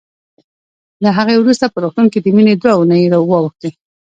له هغې وروسته په روغتون کې د مينې دوه اوونۍ واوښتې